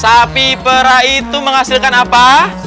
sapi perah itu menghasilkan apa